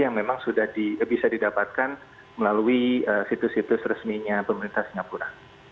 yang memang sudah bisa didapatkan melalui situs situs resminya pemerintah singapura